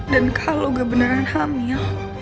dan kalo gak beneran hamil